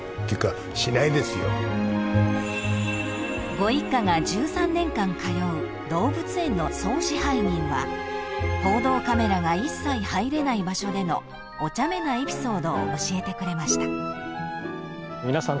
［ご一家が１３年間通う動物園の総支配人は報道カメラが一切入れない場所でのおちゃめなエピソードを教えてくれました］